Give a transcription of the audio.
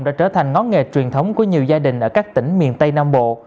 đã trở thành ngón nghề truyền thống của nhiều gia đình ở các tỉnh miền tây nam bộ